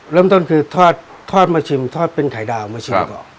เริ่มต้นคือทอดมาชิมทอดเป็นไข่ดาวมาชิมก่อน